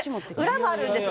裏もあるんです。